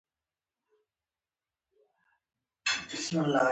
د اخرت لپاره د نېکو عملونو ترسره کول.